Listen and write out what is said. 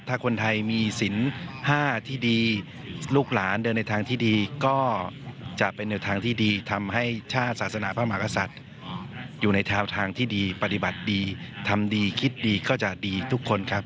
ถ้าคนไทยมีสินห้าที่ดีลูกหลานเดินในทางที่ดีก็จะเป็นแนวทางที่ดีทำให้ชาติศาสนาพระมหากษัตริย์อยู่ในแนวทางที่ดีปฏิบัติดีทำดีคิดดีก็จะดีทุกคนครับ